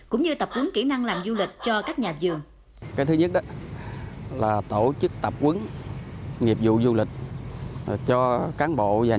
cũng như tập huấn kỹ năng làm du lịch cho các nhà vườn